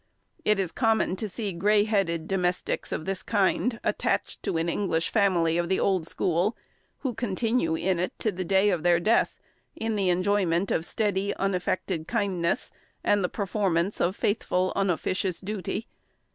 It is common to see grey headed domestics of this kind attached to an English family of the "old school," who continue in it to the day of their death in the enjoyment of steady unaffected kindness, and the performance of faithful unofficious duty.